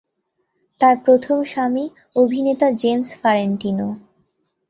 তার প্রথম স্বামী অভিনেতা জেমস ফারেন্টিনো।